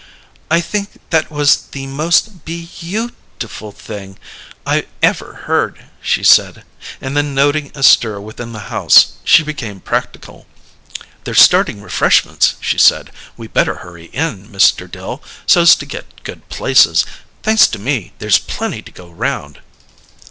"I think that was the most be you tiful thing I ever heard!" she said; and then, noting a stir within the house, she became practical. "They're starting refreshments," she said. "We better hurry in, Mr. Dill, so's to get good places. Thanks to me, there's plenty to go round."